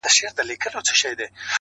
د وخت په تېرېدو هر څه بدلېږي خو ياد نه-